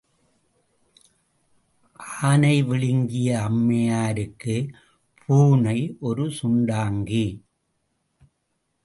ஆனை விழுங்கிய அம்மையாருக்குப் பூனை ஒரு சுண்டாங்கி.